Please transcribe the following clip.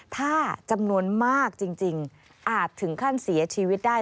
ถ้าจำนวนมากจริงอาจถึงขั้นเสียชีวิตได้